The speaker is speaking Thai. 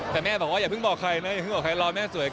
คุณแม่บ่บนอ่ะกำลังไปเลยไปเลย